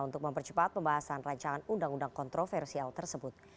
untuk mempercepat pembahasan rancangan undang undang kontroversial tersebut